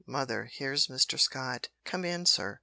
Mother, here's Mr Scott. Come in, sir.